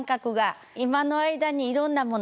今の間にいろんなもの